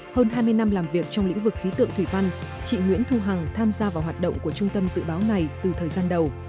hơn hai mươi năm làm việc trong lĩnh vực khí tượng thủy văn chị nguyễn thu hằng tham gia vào hoạt động của trung tâm dự báo này từ thời gian đầu